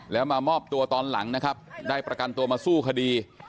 แล้วมามอบตัวตอนหลังนะครับได้ประกันตัวมาสู้คดี